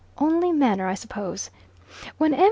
Only manner, I suppose. When M.